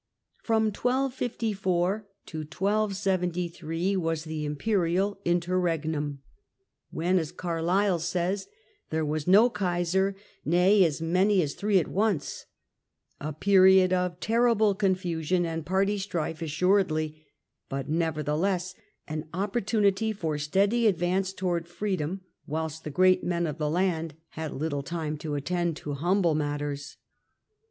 From 1254 to 1273 was the Imperial Interregnum, when, as Carlyle says, there was "No Kaiser, nay as many as three at once "; a period of terrible confusion and party strife assuredly, but nevertheless an oppor tunity for steady advance towards freedom, whilst the ofreat men of the land had little time to attend to humble matters.